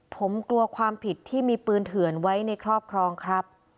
ผมกลัวความผิดที่มีปืนเถื่อนไว้ในครอบครองครับ